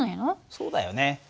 そうだよね。